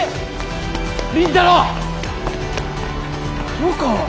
黒川！